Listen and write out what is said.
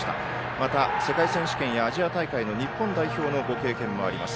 また、世界選手権やアジア大会の日本代表のご経験もあります。